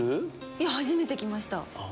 いや初めて来ました。